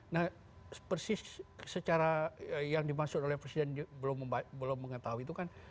nah persis secara yang dimaksud oleh presiden belum mengetahui itu kan